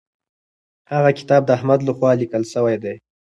هغه کتاب د احمد لخوا لیکل سوی دی.